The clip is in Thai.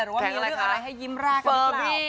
ว่ามีเรื่องอะไรให้ยิ้มรากหรือเปล่า